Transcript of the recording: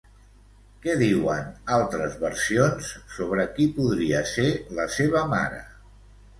Què diuen altres versions sobre qui podria ser la seva mare?